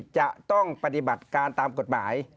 จะต้องปฏิบัติการตามกฎหมาย